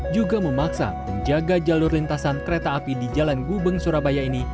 juga memaksa penjaga jalur lintasan kereta api di jalan gubeng surabaya ini